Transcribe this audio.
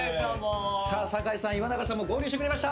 酒井さん、岩永さんも合流してくれました。